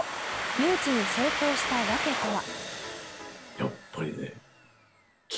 誘致に成功した訳とは？